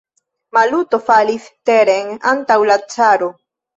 Maluto falis teren antaŭ la caro.